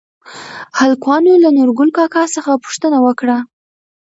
هلکانو له نورګل کاکا څخه پوښتنه وکړه؟